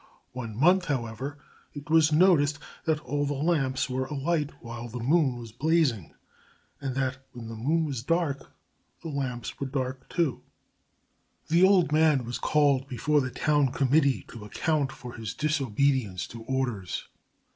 One month, however, it was noticed that all the lamps were alight while the moon was blazing, and that when the moon was dark the lamps were dark too. The old man was called before the town committee to account for his disobedience to orders.